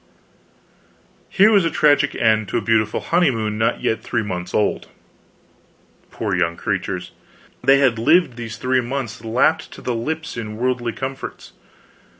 Here was a tragic end to a beautiful honeymoon not yet three months old. Poor young creatures! They had lived these three months lapped to the lips in worldly comforts.